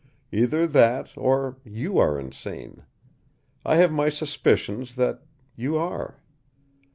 Either that, or you are insane. I have my suspicions that you are.